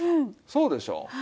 そうでしょう？